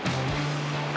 あ！